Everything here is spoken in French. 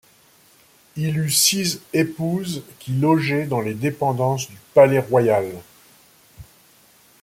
Il eut six épouses qui logeaient dans les dépendances du palais royal.